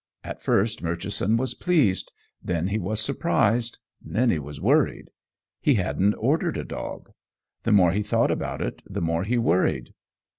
At first Murchison was pleased; then he was surprised; then he was worried. He hadn't ordered a dog. The more he thought about it the more he worried.